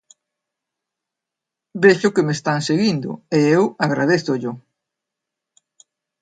Vexo que me están seguindo e eu agradézollo.